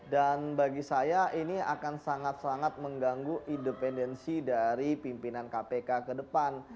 dan bagi saya ini akan sangat sangat mengganggu independensi dari pimpinan kpk ke depan